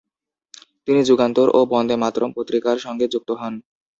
তিনি যুগান্তর ও বন্দে মাতরম পত্রিকার সঙ্গে যুক্ত হন।